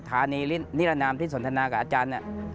จึงจะได้ว่าฐานีนิรนามที่สนทนากับอาจารย์